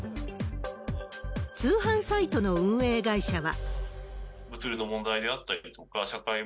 通販サイトの運営会社は。